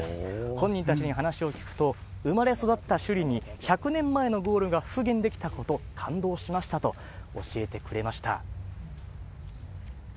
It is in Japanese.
本人たちに話を聞くと、生まれ育った首里に１００年前のゴールが復元できたこと、感動しましたと教えてくれました。